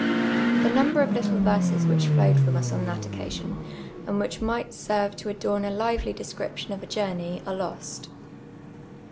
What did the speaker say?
The number of little verses which flowed fi'ora us on that occa sion, and which might serve to adoni a lively descri])tion of a journey, are lost.